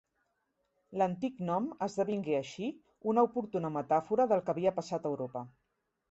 L'antic nom esdevingué així una oportuna metàfora del que havia passat a Europa.